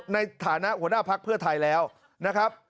ในฐานะหัวหน้าภักดิ์เพื่อไทยแล้วนะครับ